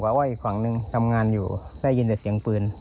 ว่าอีกฝั่งหนึ่งทำงานอยู่ได้ยินแต่เสียงปืน